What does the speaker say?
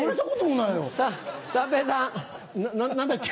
な何だっけ